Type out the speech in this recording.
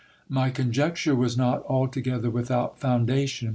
Sly con jecture was not altogether without foundation.